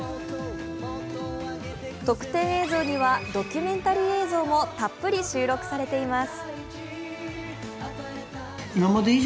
特典映像にはドキュメンタリー映像もたっぷり収録されています。